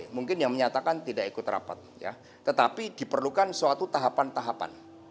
mungkin yang menyatakan tidak ikut rapat ya tetapi diperlukan suatu tahapan tahapan